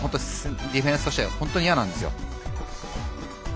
ディフェンスとしては本当に嫌なんですよ。